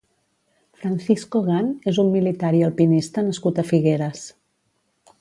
Francisco Gan és un militar i alpinista nascut a Figueres.